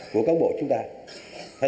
của cán bộ chúng ta